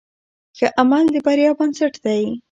ښه عمل د بریا بنسټ دی.